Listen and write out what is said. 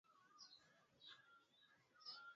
pamoja na Korani ziliunda kile kinachoitwa Sunnah